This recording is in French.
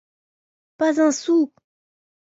Pas un sou!